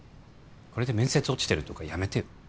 これで面接落ちてるとかやめてよ